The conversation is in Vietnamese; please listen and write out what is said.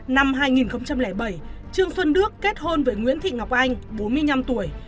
năm hai nghìn bảy trương xuân đức kết hôn với nguyễn thị ngọc anh bốn mươi năm tuổi